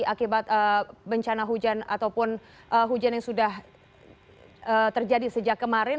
akibat bencana hujan ataupun hujan yang sudah terjadi sejak kemarin